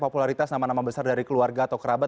popularitas nama nama besar dari keluarga atau kerabat